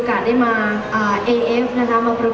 เวลาจะไปเที่ยวกับเพื่อน